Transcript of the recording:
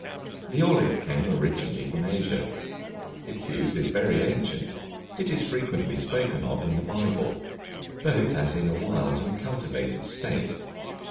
The olive came originally from Asia. Its use is very ancient; it is frequently spoken of in the Bible, both as in a wild and cultivated state.